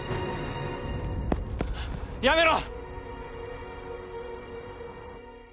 やめろ！